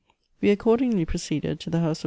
We accordingly proceeded to the house of M.